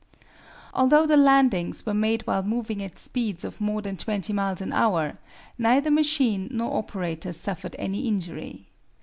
Although the landings were made while moving at speeds of more than 20 miles an hour, neither machine nor operator suffered any injury.